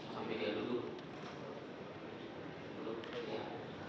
sampai dia duduk